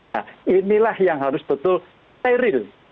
nah inilah yang harus betul steril